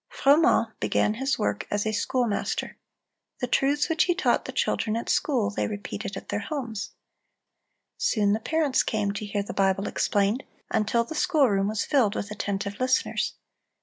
(347) Froment began his work as a schoolmaster. The truths which he taught the children at school, they repeated at their homes. Soon the parents came to hear the Bible explained, until the schoolroom was filled with attentive listeners.